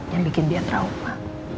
yang bikin dia trauma